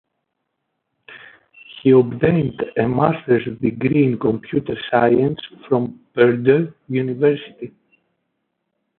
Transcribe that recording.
He obtained a master's degree in computer science from Purdue University.